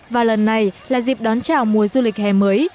và lần này là dịp đón chào mùa du lịch hè mới